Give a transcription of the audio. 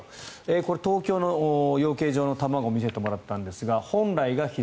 東京の養鶏場の卵を見せてもらったんですが本来が左。